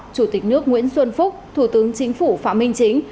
chủ tịch nước nguyễn xuân phúc thủ tướng chính phủ phạm minh chính